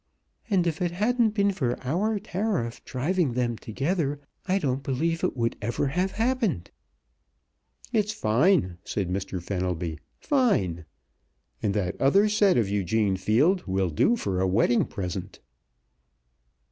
"And if it hadn't been for our tariff driving them together I don't believe it would ever have happened." "It's fine!" said Mr. Fenelby. "Fine! And that other set of Eugene Field will do for a wedding present!"